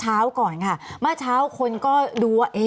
ตั้งแต่เริ่มมีเรื่องแล้ว